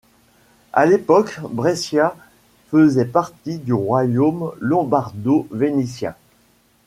À l'époque, Brescia faisait partie du royaume lombardo-vénitien.